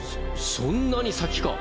そんなに先か。